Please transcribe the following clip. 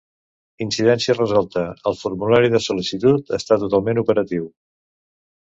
Incidència resolta, el formulari de sol·licitud està totalment operatiu.